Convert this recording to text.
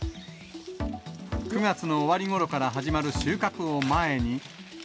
９月の終わりごろから始まる収穫を前に。